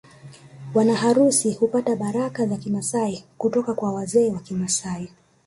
Wanaharusi hupata baraka za Kimasai kutoka kwa mzee wa Kimasai